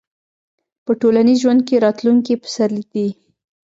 په ټولنیز ژوند کې راتلونکي پسرلي دي.